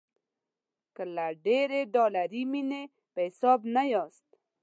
که له ډېرې ډالري مینې په حساب نه یاست.